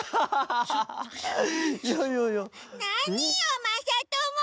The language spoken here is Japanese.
なによまさとも！